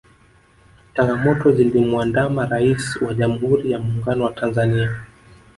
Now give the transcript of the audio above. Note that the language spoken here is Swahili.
changamoto zilimuandama raisi wa jamuhuri ya muungano wa tanzania